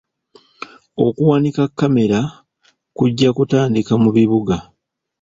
Okuwanika kamera kujja kutandika mu bibuga.